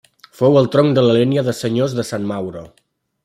Fou el tronc de la línia de senyors de San Mauro.